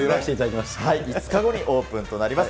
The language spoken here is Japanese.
５日後にオープンとなります。